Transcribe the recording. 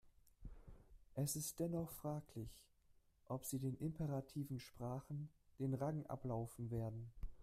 Es ist dennoch fraglich, ob sie den imperativen Sprachen den Rang ablaufen werden.